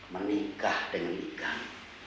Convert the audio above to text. menikah dengan ikan